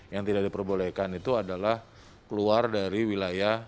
yang tidak diperbolehkan itu adalah keluar dari wilayah